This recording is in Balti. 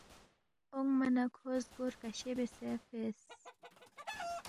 اونگما نہ کھو زگو رگشے بیاسے فیس